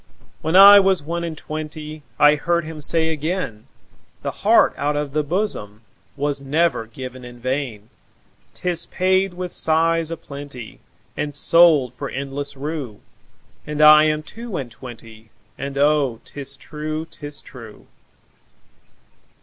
When I was one and twentyI heard him say again,'The heart out of the bosomWas never given in vain;'Tis paid with sighs a plentyAnd sold for endless rue.'And I am two and twenty, And oh, 'tis true, 'tis true.